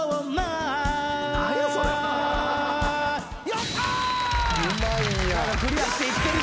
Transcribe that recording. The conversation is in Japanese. やった！